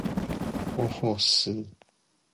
Ofosu is married with three children.